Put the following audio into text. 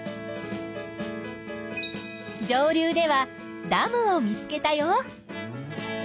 上流ではダムを見つけたよ。